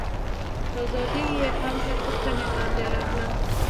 ازادي یې هم تر پوښتنې لاندې راغله.